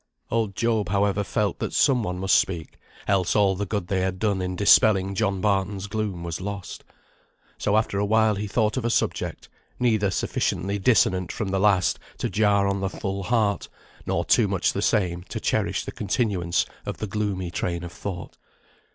Old Job, however, felt that some one must speak, else all the good they had done in dispelling John Barton's gloom was lost. So after awhile he thought of a subject, neither sufficiently dissonant from the last to jar on the full heart, nor too much the same to cherish the continuance of the gloomy train of thought.